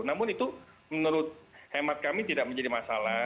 namun itu menurut hemat kami tidak menjadi masalah